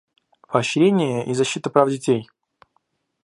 Поощрение и защита прав детей.